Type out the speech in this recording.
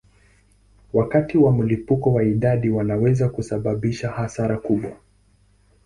Wakati wa mlipuko wa idadi wanaweza kusababisha hasara kubwa.